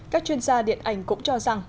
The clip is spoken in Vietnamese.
các chuyên gia điện ảnh cũng cho rằng